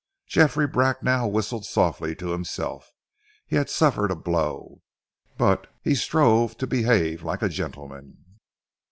Geoffrey Bracknell whistled softly to himself. He had suffered a blow, but he strove to behave like a gentleman.